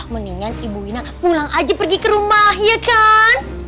mendingan ibu ina pulang aja pergi ke rumah ya kan